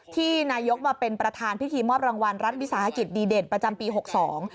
ที่นายกมาเป็นประธานพิธีมอบรางวัลรัฐวิสาหกิจดีเด่นประจำปีหกสอง